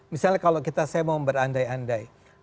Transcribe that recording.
misalnya kalau kita saya mau berandai andai